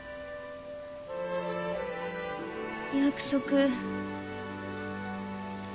約束。